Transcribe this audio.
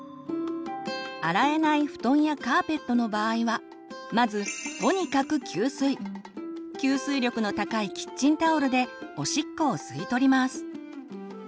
洗えない布団やカーペットの場合はまず吸水力の高いキッチンタオルでおしっこを吸い取ります。